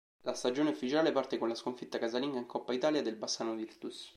La stagione ufficiale parte con la sconfitta casalinga in Coppa Italia dal Bassano Virtus.